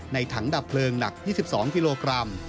ถังดับเพลิงหนัก๒๒กิโลกรัม